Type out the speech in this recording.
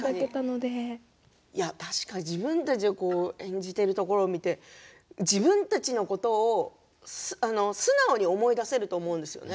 自分たちを演じているところを見て自分たちのことを素直に思い出せると思うんですよね。